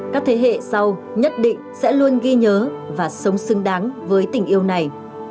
các thế hệ sau nhất định sẽ luôn ghi nhớ và sống xứng đáng với tình yêu này